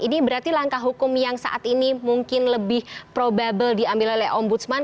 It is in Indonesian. ini berarti langkah hukum yang saat ini mungkin lebih probable diambil oleh ombudsman